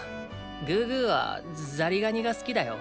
グーグーはザリガニが好きだよ。